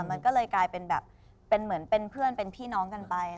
มันก็เลยกลายเป็นแบบเป็นเหมือนเป็นเพื่อนเป็นพี่น้องกันไป